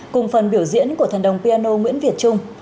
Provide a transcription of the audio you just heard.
cùng phần biểu diễn của thần đồng piano nguyễn việt trung